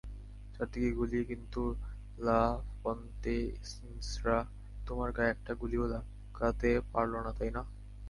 চারদিকে গুলি কিন্তু লা ফন্তেইন্সরা তোমার গায়ে একটা গুলিও লাগাতে পারলোনা, তাইনা?